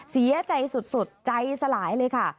เสียใจสุดใจสลายเลยค่ะ